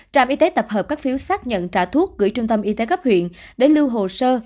trạm y tế tập hợp các phiếu xác nhận trả thuốc gửi trung tâm y tế cấp huyện để lưu hồ sơ